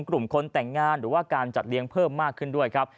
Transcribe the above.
กลุ่มคนแต่งงานหรือว่าการจัดเลี้ยงเพิ่มมากขึ้นด้วยครับ